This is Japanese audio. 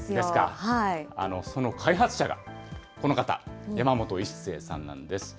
その開発者がこの方、山本一成さんなんです。